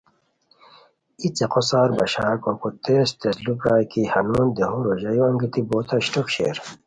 ای څیقو ساربشار کوریکو تیز تیز ُلو پرائے کی ہنون دیہو ریژایو انگیتی بوتہ اشٹوک شیر